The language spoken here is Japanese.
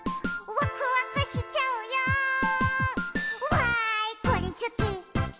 「わーいこれすき！